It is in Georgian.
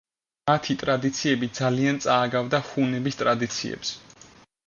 მათი ტრადიციები ძალიან წააგავდა ჰუნების ტრადიციებს.